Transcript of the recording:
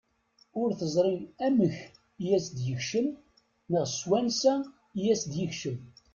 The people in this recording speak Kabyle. Ur teẓri amek i as-d-yekcem neɣ s wansa i as-d-yekcem.